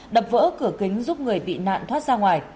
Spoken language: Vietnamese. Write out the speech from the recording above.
đập vỡ cửa kính giúp người bị nạn thoát ra ngoài